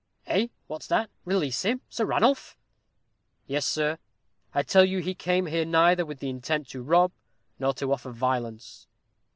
"Eh day, what's that? release him, Sir Ranulph?" "Yes, sir; I tell you he came here neither with the intent to rob nor to offer violence."